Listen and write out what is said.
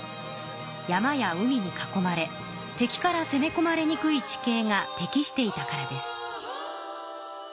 山や海に囲まれ敵からせめこまれにくい地形が適していたからです。